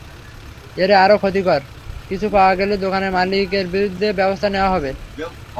এতে আরও ক্ষতিকর কিছু পাওয়া গেলে দোকান মালিকের বিরুদ্ধে ব্যবস্থা নেওয়া হবে।